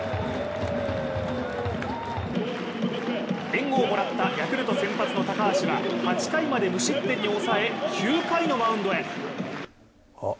援護をもらったヤクルト先発の高橋は８回まで無失点に抑え９回のマウンドへ。